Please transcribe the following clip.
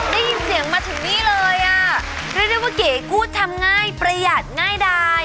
ได้ยินเสียงมาถึงนี่เลยอ่ะเรียกได้ว่าเก๋พูดทำง่ายประหยัดง่ายดาย